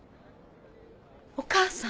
お母さん。